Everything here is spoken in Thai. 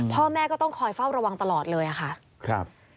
พ่อแม่ก็ต้องคอยเฝ้าระวังตลอดเลยอะค่ะครับ